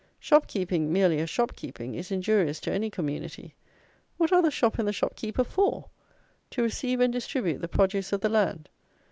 Shop keeping, merely as shop keeping, is injurious to any community. What are the shop and the shop keeper for? To receive and distribute the produce of the land.